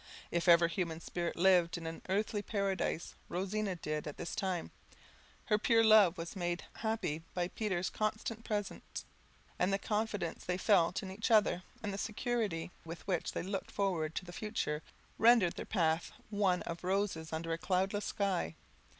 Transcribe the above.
If ever human spirit lived in an earthly paradise, Rosina did at this time: her pure love was made happy by Henry's constant presence; and the confidence they felt in each other, and the security with which they looked forward to the future, rendered their path one of roses under a cloudless sky.